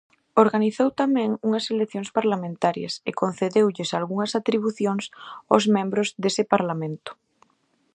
Organizou tamén unhas eleccións parlamentarias e concedeulles algunhas atribucións aos membros dese Parlamento.